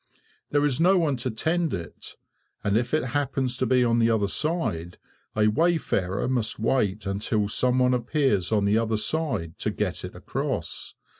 There is no one to tend it, and if it happens to be on the other side, a wayfarer must wait until some one appears on the other side to get it across.